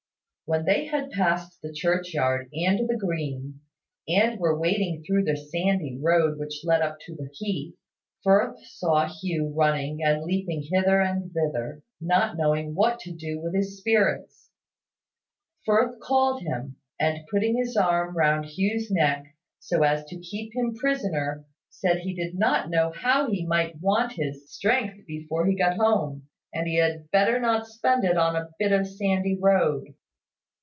When they had passed the churchyard and the green, and were wading through the sandy road which led up to the heath, Firth saw Hugh running and leaping hither and thither, not knowing what to do with his spirits. Firth called him, and putting his arm round Hugh's neck, so as to keep him prisoner, said he did not know how he might want his strength before he got home, and he had better not spend it on a bit of sandy road.